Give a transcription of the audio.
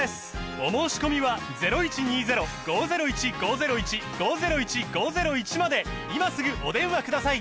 お申込みは今すぐお電話ください